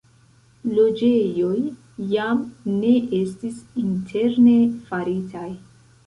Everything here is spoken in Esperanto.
Loĝejoj jam ne estis interne faritaj.